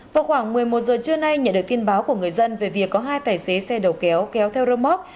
vào khoảng một mươi một giờ trưa nay nhận được tin báo của người dân về việc có hai tài xế xe đầu kéo kéo theo rơm móc